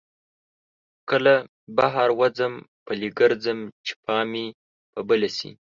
کله بهر وځم پلی ګرځم چې پام مې په بله شي.